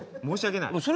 申し訳ない。